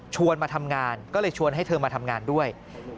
มาทำงานก็เลยชวนให้เธอมาทำงานด้วย